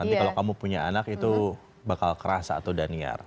nanti kalau kamu punya anak itu bakal kerasa atau daniar